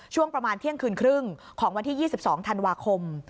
ช่วงประมาณเที่ยงคืนครึ่งของวันที่๒๒ธันวาคม